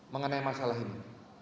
mengenai masalah ini